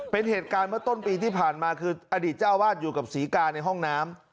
เป็นเหตุการณ์เมื่อต้นปีที่ผ่านมาคืออดีตเจ้าวาดอยู่กับศรีกาในห้องน้ำ